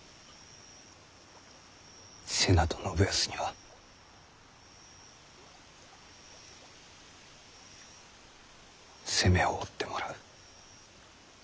瀬名と信康には責めを負ってもらう。